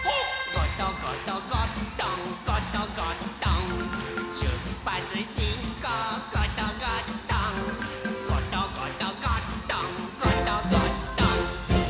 「ゴトゴトゴットンゴトゴットン」「しゅっぱつしんこうゴトゴットン」「ゴトゴトゴットンゴトゴットン」